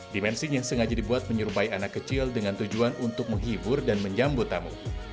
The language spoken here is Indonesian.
dimensi yang sengaja dibuat menyerupai anak kecil dengan tujuan untuk menghibur dan menjambut tamu